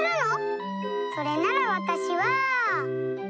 それならわたしは。